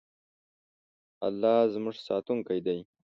الله زموږ ساتونکی دی.